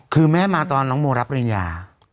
คือแม่มาตอนน้องโมรับปริญญา